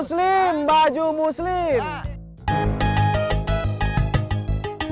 aku mau merah modeling